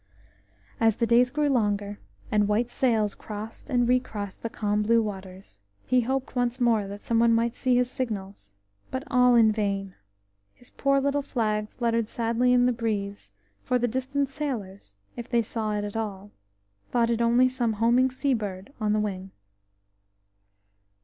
S the days grew longer, and white sails crossed and recrossed the calm blue waters, he hoped once more that some one might see his signals. But all in vain! His poor little flag fluttered sadly in the breeze, for the distant sailors, if they saw it at all, thought it only some homing sea bird on the wing.